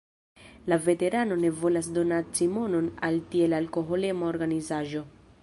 La veterano ne volas donaci monon al tiel alkoholema organizaĵo.